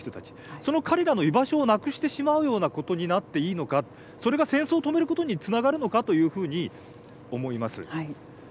その彼らの居場所をなくしてしまうようなことになっていいのかそれが戦争を止めることにつながるのかというふうに思います。